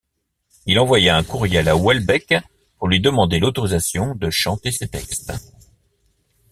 Il envoya un courriel à Houellebecq pour lui demander l'autorisation de chanter ses textes.